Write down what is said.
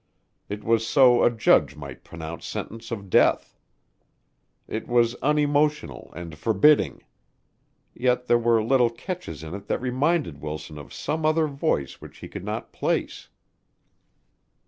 It was so a judge might pronounce sentence of death. It was unemotional and forbidding. Yet there were little catches in it that reminded Wilson of some other voice which he could not place.